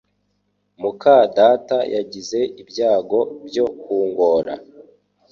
muka data yagize ibyago byo kungora